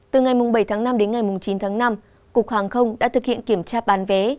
từ ngày bảy tháng năm đến ngày chín tháng năm cục hàng không đã thực hiện kiểm tra bán vé